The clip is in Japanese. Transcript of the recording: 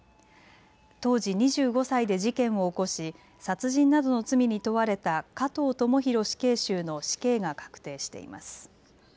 当時２５歳で事件を起こし殺人などの罪に問われた加藤智大死刑囚の死刑が確定しています。